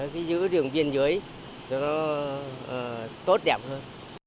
giữ đường biên giới cho nó tốt đẹp hơn